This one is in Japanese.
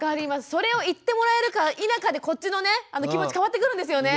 それを言ってもらえるか否かでこっちの気持ち変わってくるんですよね。